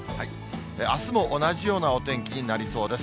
あすも同じような天気になりそうです。